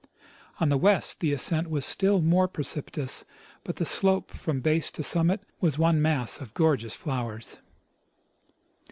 On,' the west the ascent was still more precipitous, but the slope from base to summit was one mass of gorgeous flowers.